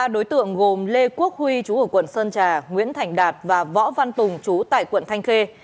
ba đối tượng gồm lê quốc huy chú ở quận sơn trà nguyễn thành đạt và võ văn tùng chú tại quận thanh khê